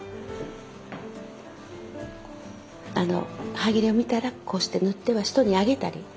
ハギレを見たらこうして縫っては人にあげたり。